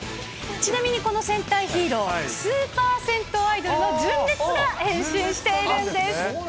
ちなみに、この戦隊ヒーロー、スーパー銭湯アイドルの純烈が変身しているんです。